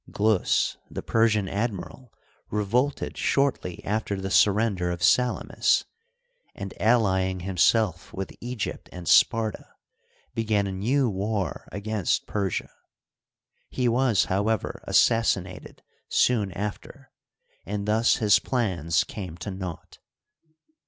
Glus, the Persian admiral, revolted shortly after the surrender of Salamis, and, allying himself with Egypt and Sparta, began a new war against Persia. He was, however, assassinated soon after, and thus his plans came to naught.